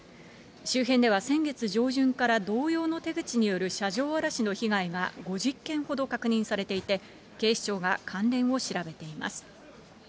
周辺では先月上旬から同様の手口による車上荒らしの被害が５０件ほど確認されていて、警視庁が関連を調べています。